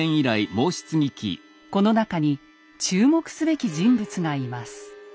この中に注目すべき人物がいます。